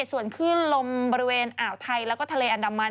ส่วนขึ้นลมบริเวณอ่าวไทยแล้วก็ทะเลอันดามัน